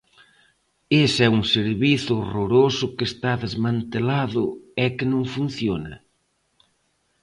¿Ese é un servizo horroroso que está desmantelado e que non funciona?